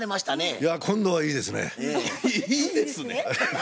いいですね？